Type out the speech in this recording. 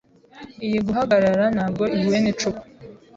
Iyi guhagarara ntabwo ihuye nicupa.